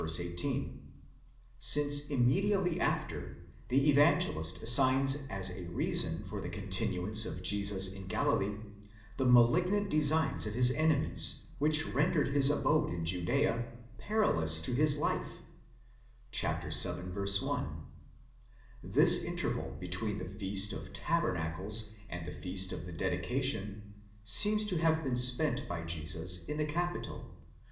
18), since immediately after, the Evangelist assigns as a reason for the continuance of Jesus in Galilee, the malignant designs of his enemies, which rendered his abode in Judea perilous to his life (vii. 1). The interval between the Feast of Tabernacles and the Feast of the Dedication seems to have been spent by Jesus in the capital